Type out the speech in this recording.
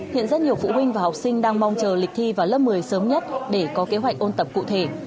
hiện rất nhiều phụ huynh và học sinh đang mong chờ lịch thi vào lớp một mươi sớm nhất để có kế hoạch ôn tập cụ thể